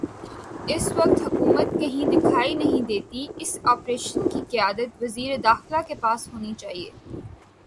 اس وقت حکومت کہیں دکھائی نہیں دیتی اس آپریشن کی قیادت وزیر داخلہ کے پاس ہونی چاہیے۔